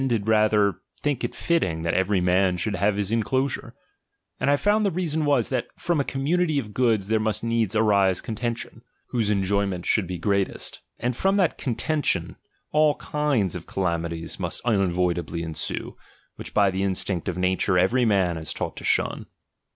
did rather think it fitting that every man should have his inclosure. And I found the reason was, that from a community of goods there must needs arise contention, whose eujoyment should be great w. THE EPISTLE DEDICATORY. VII est. And from that contention all kind of calami ties must unavoidably ensue, which by the instinct of nature every man is taught to shun.